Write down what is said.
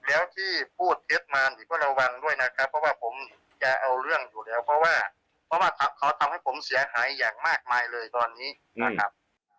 แล้วที่พูดเท็จมานี่ก็ระวังด้วยนะครับเพราะว่าผมจะเอาเรื่องอยู่แล้วเพราะว่าเพราะว่าเขาทำให้ผมเสียหายอย่างมากมายเลยตอนนี้นะครับ